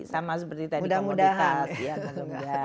sama seperti tadi komoditas